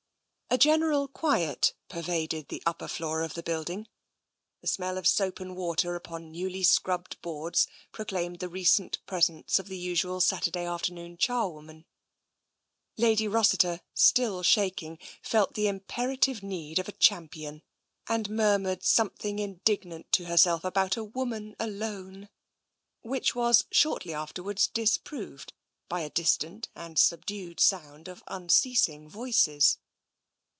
A general quiet pervaded the upper floor of the building; the smell of soap and water upon newly scrubbed boards proclaimed the recent presence of the usual Saturday afternoon charwoman. Lady Rossiter, still shaking, felt the imperative need of a champion, and murmured something indignant to herself about a woman alone, which was shortly afterwards disproved by a distant and subdued sound of unceasing voices.